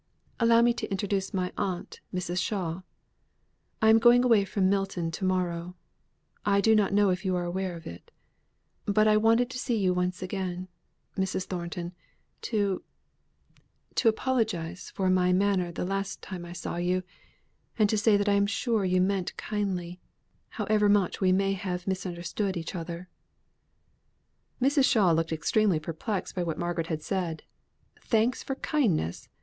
"Allow me to introduce my aunt, Mrs. Shaw. I am going away from Milton to morrow; I do not know if you are aware of it, but I wanted to see you once again, Mrs. Thornton, to to apologize for my manner the last time I saw you; and to say that I am sure you meant kindly however much we may have misunderstood each other." Mrs. Shaw looked extremely perplexed by what Margaret had said. Thanks for kindness!